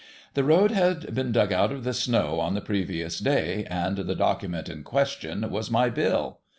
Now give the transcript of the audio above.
The road had been dug out of the snow on the previous day, and the document in question was my bill.